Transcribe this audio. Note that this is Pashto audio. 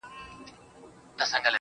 د سر قاتل پخلا کومه مصلحت کومه~